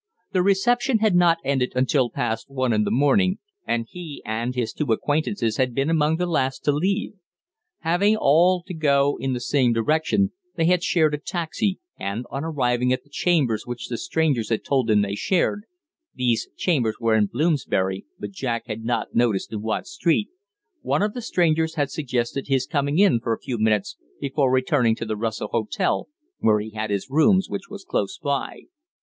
The reception had not ended until past one in the morning, and he and his two acquaintances had been among the last to leave. Having all to go in the same direction, they had shared a taxi, and on arriving at the chambers which the strangers had told him they shared these chambers were in Bloomsbury, but Jack had not noticed in what street one of the strangers had suggested his coming in for a few minutes before returning to the Russell Hotel, where he had his rooms, which was close by.